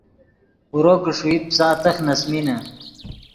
اورو کہ ݰوئیت پیسا تخ نے اَسۡمینے